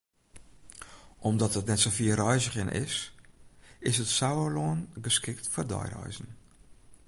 Omdat it net sa fier reizgjen is, is it Sauerlân geskikt foar deireizen.